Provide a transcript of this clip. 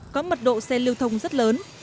có mật độ xe lưu thông rất lớn